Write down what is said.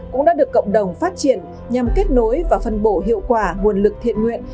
cũng đã được cộng đồng phát triển nhằm kết nối và phân bổ hiệu quả nguồn lực thiện nguyện